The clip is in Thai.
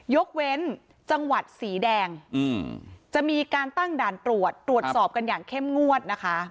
ยกเว้นจังหวัดสีแดงจะมีการตั้งด่านตรวจตรวจสอบกันอย่างเข้มงวดนะคะ